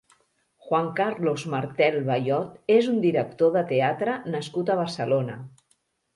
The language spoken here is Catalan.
Juan Carlos Martel Bayod és un director de teatre nascut a Barcelona.